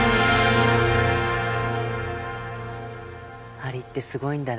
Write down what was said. アリってすごいんだね。